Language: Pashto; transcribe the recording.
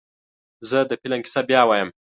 زه د فلم کیسه بیا وایم.